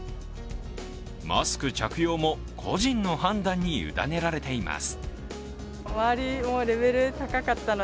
マスク着用も個人の判断に委ねられています。